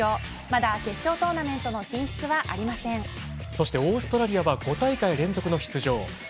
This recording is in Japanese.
まだ決勝トーナメントのそしてオーストラリアは５大会連続の出場。